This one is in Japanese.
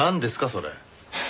それ。